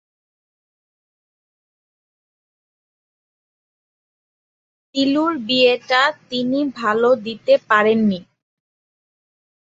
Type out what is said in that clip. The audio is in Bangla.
বিলুর বিয়েটা তিনি ভালো দিতে পারেন নি।